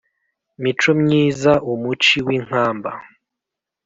micomyiza umuci w’inkamba